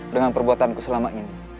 dengan perbuatanku selama ini